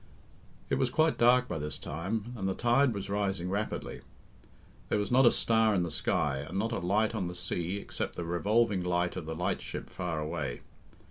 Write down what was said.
It was quite dark by this time, and the tide was rising rapidly. There was not a star in the sky, and not a light on the sea except the revolving light of the lightship far a Way.